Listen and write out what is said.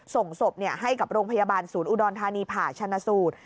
ส่งศพให้กับโรงพยาบาลศูนย์อุดรธานีผ่าชนะสูตร